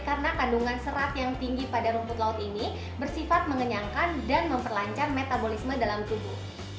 karena kandungan serat yang tinggi pada rumput laut ini bersifat mengenyangkan dan memperlancar metabolisme dalam tubuh